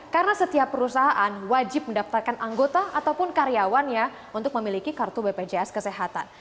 karena setiap perusahaan wajib mendapatkan anggota ataupun karyawannya untuk memiliki kartu bpjs kesehatan